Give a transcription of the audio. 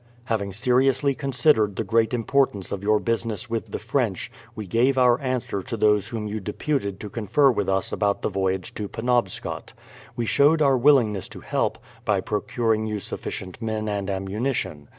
Having seriously considered the great importance of your business with the French, we gave our answer to those whom you deputed to confer with us about the voyage to Penobscot. We showed our willingness to help, by procuring you sufficient men and ammuni tion.